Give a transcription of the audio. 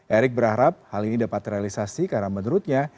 erick berharap hal ini dapat terrealisasi karena menurutnya